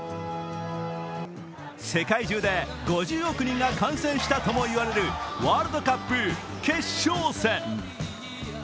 世界中で５０億人が観戦したとも言われるワールドカップ決勝戦。